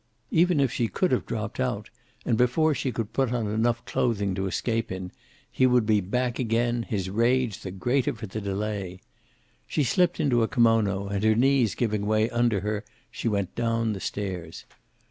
Even if she could have dropped out, and before she could put on enough clothing to escape in, he would be back again, his rage the greater for the delay. She slipped into a kimono, and her knees giving way under her she went down the stairs.